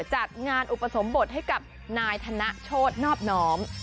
จัดงานอุปสมบทให้กับนายธนโชธนอบน้อม